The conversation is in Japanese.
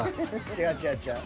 違う違う違う。